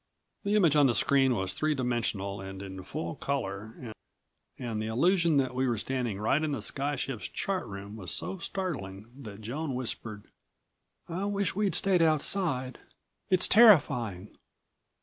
The image on the screen was three dimensional, and in full color and the illusion that we were standing right in the sky ship's chart room was so startling that Joan whispered: "I wish we'd stayed outside. It's terrifying.